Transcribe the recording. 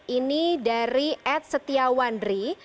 ini dari ed setiawandri